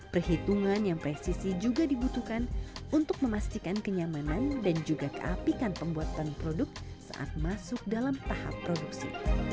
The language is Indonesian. perhitungan yang presisi juga dibutuhkan untuk memastikan kenyamanan dan juga keapikan pembuatan produk saat masuk dalam tahap produksi